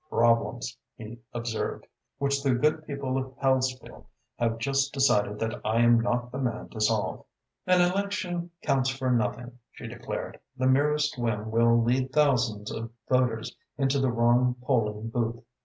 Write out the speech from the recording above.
"Problems," he observed, "which the good people of Hellesfield have just decided that I am not the man to solve." "An election counts for nothing," she declared. "The merest whim will lead thousands of voters into the wrong polling booth.